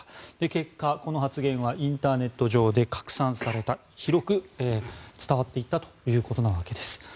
結果、この発言はインターネット上で拡散され広く伝わっていったということなわけです。